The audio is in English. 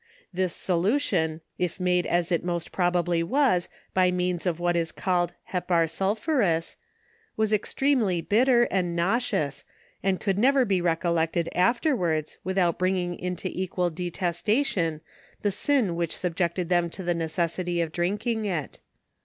This solution, if made as it most probably was, by means of what is called hepar sulphuris, was extremely bitter, and nauseous, and could never be recollected afterwards, without bringing into equal de testation, the sin" which subjected them to the necessity of drinking it.